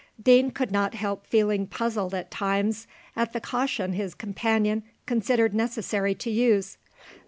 Deane could not help feeling puzzled at times at the caution his companion considered necessary to use.